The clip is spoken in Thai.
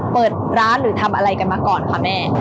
เปิดร้านหรือทำอะไรกันมาก่อนคะแม่